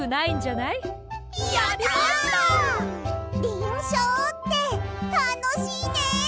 りんしょうってたのしいね！